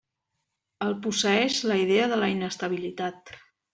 El posseeix la idea de la inestabilitat.